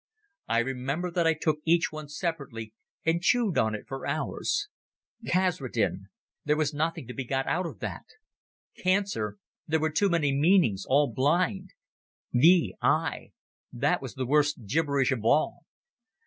I remember that I took each one separately and chewed on it for hours. Kasredin—there was nothing to be got out of that. Cancer—there were too many meanings, all blind. v. I.—that was the worst gibberish of all.